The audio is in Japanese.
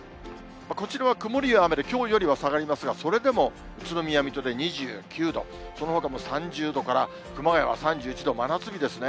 こちらは曇りや雨で、きょうよりは下がりますが、それでも宇都宮、水戸で２９度、そのほかも３０度から熊谷は３１度、真夏日ですね。